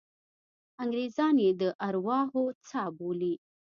انګریزان یې د ارواحو څاه بولي.